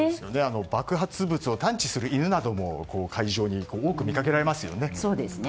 爆発物を探知する犬なども会場に多く見かけられますよね。